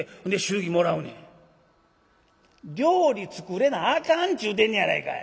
「料理作れなあかんっちゅうてんねやないかい」。